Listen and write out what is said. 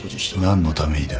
何のためにだ？